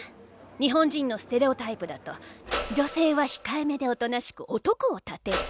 日本人のステレオタイプだと女性は控えめで大人しく男を立てる。